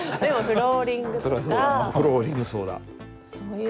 フローリングそうだ。